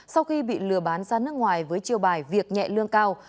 sau khi bị lừa bán ra nước ngoài với chiêu bài việc nhẹ lương cao